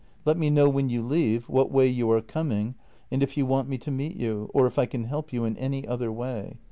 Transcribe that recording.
Let me know when you leave, what way you are coming, and if you want me to meet you, or if I can help you in any other way.